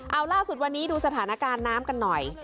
เอาล่าสุดวันนี้ดูสถานการณ์น้ำกันหน่อย